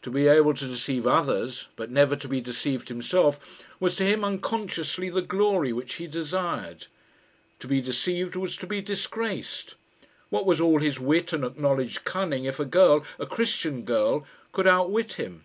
To be able to deceive others, but never to be deceived himself, was to him, unconsciously, the glory which he desired. To be deceived was to be disgraced. What was all his wit and acknowledged cunning if a girl a Christian girl could outwit him?